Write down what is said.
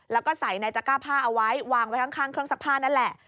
แล้วก็ใส่ในตระก้าผ้าเอาไว้วางไว้ข้างเครื่องซักผ้านั่นแหละ